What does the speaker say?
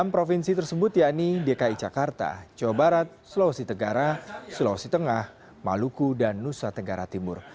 enam provinsi tersebut yakni dki jakarta jawa barat sulawesi tenggara sulawesi tengah maluku dan nusa tenggara timur